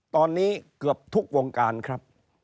ตอนนี้เกือบทุกวงการครับ